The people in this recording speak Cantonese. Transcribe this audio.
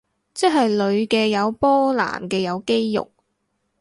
即係女嘅有波男嘅有肌肉